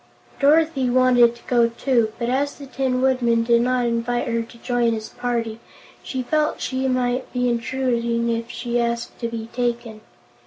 Dorothy wanted to go, too, but as the Tin Woodman did not invite her to join his party, she felt she might be intruding if she asked to be taken.